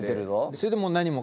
それでもう。